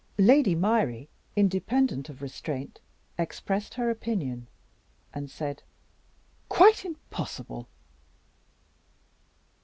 Lady Myrie, independent of restraint, expressed her opinion, and said: "Quite impossible!"